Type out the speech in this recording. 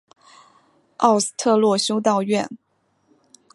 奥斯特洛修道院。